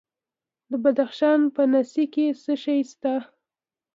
د بدخشان په نسي کې څه شی شته؟